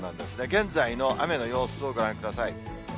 現在の雨の様子をご覧ください。